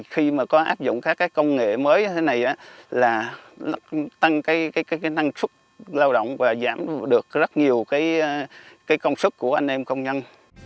khi có áp dụng các công nghệ mới như thế này là tăng năng sức lao động và giảm được rất nhiều công sức của anh em công nhân